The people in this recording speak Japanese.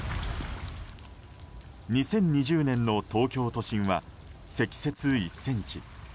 ２０２０年の東京都心は積雪１ｃｍ。